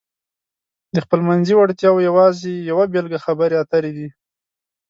د خپلمنځي وړتیاو یوازې یوه بېلګه خبرې اترې دي.